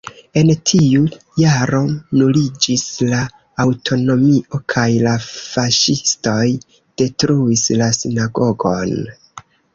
En tiu jaro nuliĝis la aŭtonomio kaj la faŝistoj detruis la sinagogon.